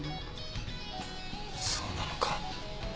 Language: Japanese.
そうなのか。